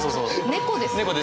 猫です。